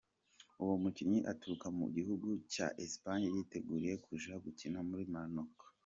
Uwo mukinyi aturuka mu gihugu ca Espagne yiteguriye kuja gukina muri Monaco.